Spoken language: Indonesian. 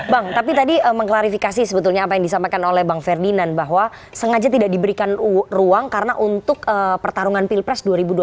bang tapi tadi mengklarifikasi sebetulnya apa yang disampaikan oleh bang ferdinand bahwa sengaja tidak diberikan ruang karena untuk pertarungan pilpres dua ribu dua puluh